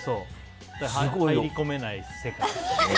入り込めない世界。